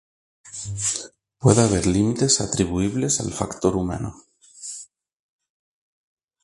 Puede haber límites atribuibles al factor humano.